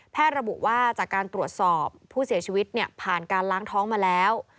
ระบุว่าจากการตรวจสอบผู้เสียชีวิตผ่านการล้างท้องมาแล้ว